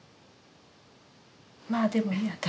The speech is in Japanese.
まあでもね